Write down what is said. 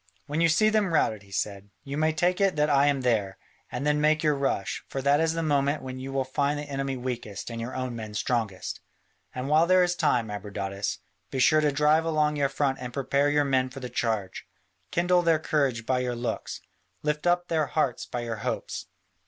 "When you see them routed," he said, "you may take it that I am there, and then make your rush, for that is the moment when you will find the enemy weakest and your own men strongest. And while there is time, Abradatas, be sure to drive along your front and prepare your men for the charge, kindle their courage by your looks, lift up their hearts by your hopes.